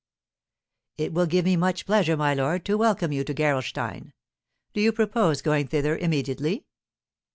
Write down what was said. "It will give me much pleasure, my lord, to welcome you to Gerolstein. Do you propose going thither immediately?"